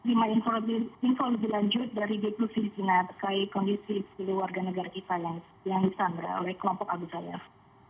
dari bpl filipina terkait kondisi warga negara kita yang disandra oleh kelompok abu sayyaf